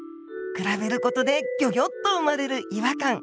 比べることでギョギョッと生まれる違和感。